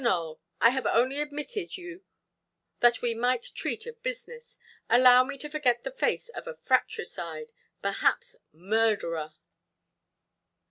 Nowell, I have only admitted you that we might treat of business. Allow me to forget the face of a fratricide, perhaps murderer".